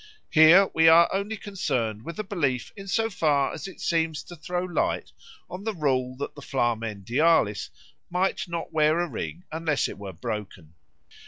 Here we are only concerned with the belief in so far as it seems to throw light on the rule that the Flamen Dialis might not wear a ring unless it were broken.